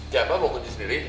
si abah bawa kunci sendiri